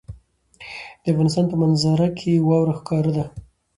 د افغانستان په منظره کې واوره ښکاره ده.